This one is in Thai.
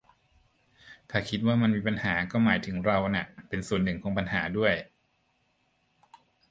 ถ้าคิดว่ามันมีปัญหาก็หมายถึงเราน่ะเป็นส่วนหนึ่งของปัญหาด้วย